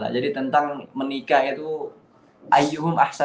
jadi tentang menikah itu